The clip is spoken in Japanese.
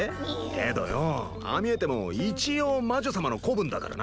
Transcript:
けどよぉああ見えても一応魔女様の子分だからなあ。